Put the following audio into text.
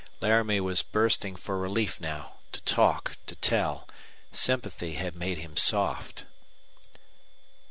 Laramie was bursting for relief now to talk, to tell. Sympathy had made him soft.